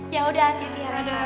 yaudah hati hati ya